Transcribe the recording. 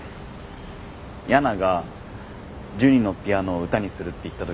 ヤナがジュニのピアノを歌にするって言った時。